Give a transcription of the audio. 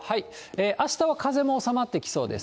あしたは風も収まってきそうです。